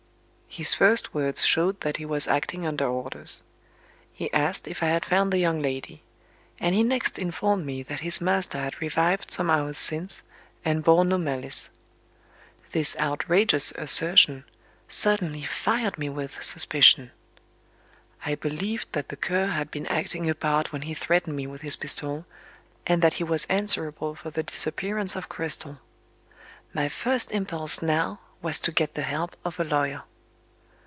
His first words showed that he was acting under orders. He asked if I had found the young lady; and he next informed me that his master had revived some hours since, and "bore no malice." This outrageous assertion suddenly fired me with suspicion. I believed that the Cur had been acting a part when he threatened me with his pistol, and that he was answerable for the disappearance of Cristel. My first impulse now was to get the help of a lawyer.